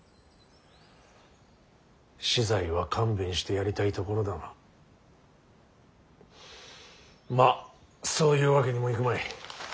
死罪は勘弁してやりたいところだがまあそういうわけにもいくまい。